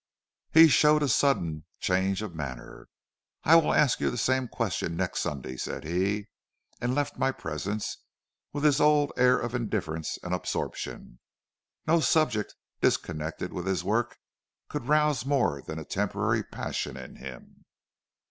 "He showed a sudden change of manner. 'I will ask you the same question next Sunday,' said he, and left my presence with his old air of indifference and absorption. No subject disconnected with his work could rouse more than a temporary passion in him.